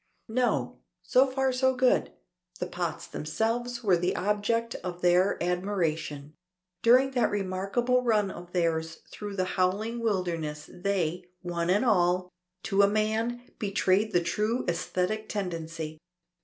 No. So far so good. The pots themselves were the objects of their admiration. During that remarkable run of theirs through the howling wilderness they, one and all, to a man, betrayed the true æsthetic tendency.